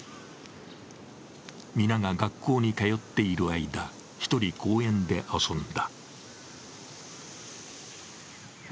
皆が学校に通っている間、１人、公園で遊んだ。